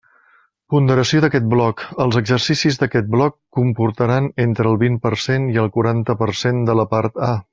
Ponderació d'aquest bloc: els exercicis d'aquest bloc comportaran entre el vint per cent i el quaranta per cent de la part A.